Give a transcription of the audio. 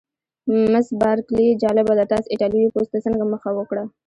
مس بارکلي: جالبه ده، تاسي ایټالوي پوځ ته څنګه مخه وکړه؟